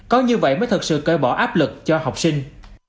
có như vậy mới thực sự cơi bỏ áp lực cho học sinh